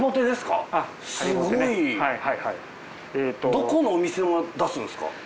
どこのお店も出すんすか？